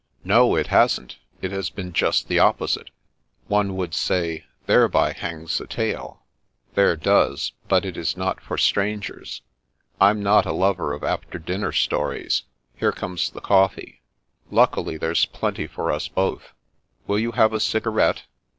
" No, it hasn't. It has been just the opposite." " One would say, ' Thereby hangs a tale.' "" There does. But it is not for strangers." " I'm not a lover of after dinner stories. Here comes the coflfee. Luckily, there's plenty for us both. Will you have a cigarette?